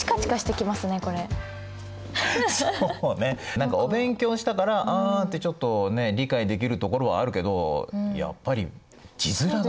何かお勉強したから「あ」ってちょっと理解できるところはあるけどやっぱり字面が。